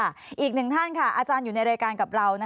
อีกหนึ่งท่านค่ะอาจารย์อยู่ในรายการกับเรา